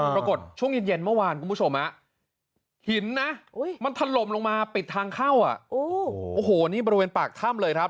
ปรากฏช่วงเย็นเมื่อวานหินทรมลงมาปิดทางเข้าโอ้โหนี่บริเวณปากถ้ำเลยครับ